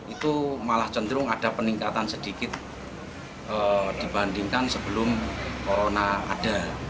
itu malah cenderung ada peningkatan sedikit dibandingkan sebelum corona ada